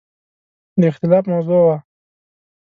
د اختلاف موضوع وه.